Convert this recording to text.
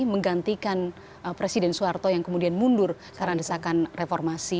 menggantikan presiden soeharto yang kemudian mundur karena desakan reformasi